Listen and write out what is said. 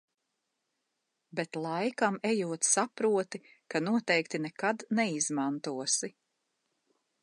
Bet laikam ejot saproti, ka noteikti nekad neizmantosi...